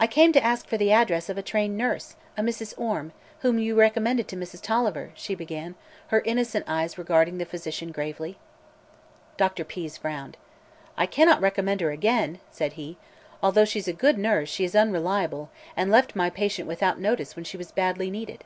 "I came to ask for the address of a trained nurse a Mrs. Orme whom you recommended to Mrs. Tolliver," she began, her innocent eyes regarding the physician gravely. Dr. Pease frowned. "I cannot recommend her again," said he. "Although she's a good nurse, she is unreliable, and left my patient without notice when she was badly needed."